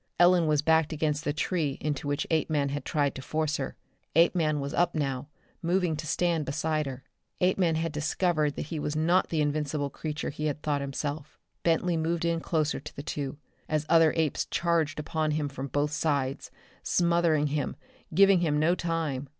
Ellen was backed against the tree into which Apeman had tried to force her. Apeman was up now, moving to stand beside her. Apeman had discovered that he was not the invincible creature he had thought himself. Bentley moved in closer to the two, as other apes charged upon him from both sides, smothering him, giving him no time.